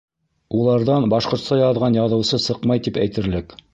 Уларҙан башҡортса яҙған яҙыусы сыҡмай тип әйтерлек.